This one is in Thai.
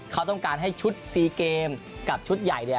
เขาต้องการให้ชุดซีเกมกับชุดใหญ่เนี่ย